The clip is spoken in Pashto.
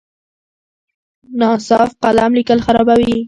ناصاف قلم لیکل خرابوي.